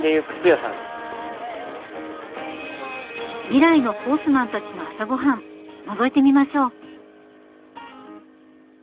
未来のホースマンたちの朝ごはんのぞいてみましょう。